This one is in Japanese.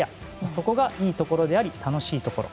そこがいいところであり楽しいところ。